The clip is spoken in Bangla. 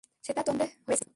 সেটা তোমার পছন্দে হয়েছে।